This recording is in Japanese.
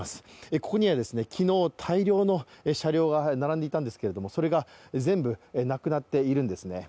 ここには昨日、大量の車両が並んでいたんですけれどもそれが全部なくなっているんですね。